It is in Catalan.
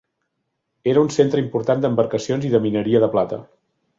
Era un centre important d'embarcacions i de mineria de plata.